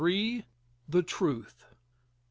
THE TRUTH. I.